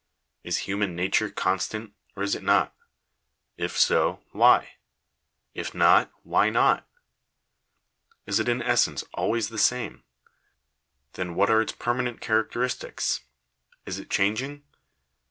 Is human nature constant, or is it not ? If so, why ? If not, why not ? Is it in essence always the same ? then what are its permanent characteristics ? Is it changing